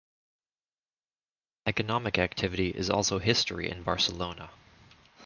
Economic activity is also history in Barcelona.